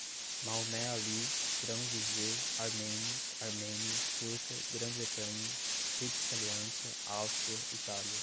Maomé Ali, grão-vizir, armênios, Armênia, turca, Grã-Bretanha, Tríplice Aliança, Áustria, Itália